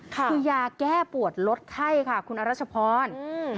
คือยาแก้ปวดลดไข้ค่ะคุณอรัชพรอืม